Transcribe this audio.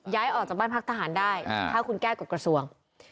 ย้ายออกจากบ้านพักทหารได้ถ้าคุณแก้กฎกระทรวง